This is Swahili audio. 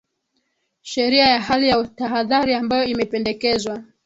sheria ya hali ya tahadhari ambayo imependekezwa